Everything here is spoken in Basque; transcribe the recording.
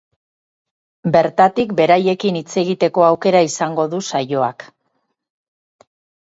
Bertatik beraiekin hitz egiteko aukera izango du saioak.